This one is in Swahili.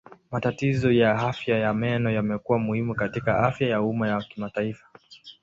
Matatizo ya afya ya meno yamekuwa muhimu katika afya ya umma ya kimataifa.